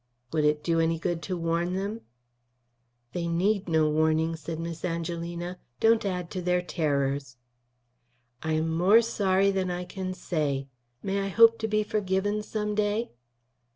"Would it do any good to warn them?" "They need no warning," said Miss Angelina. "Don't add to their terrors." "I am more sorry than I can say. May I hope to be forgiven some day?"